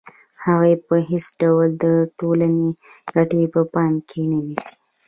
هغوی په هېڅ ډول د ټولنې ګټې په پام کې نه نیسي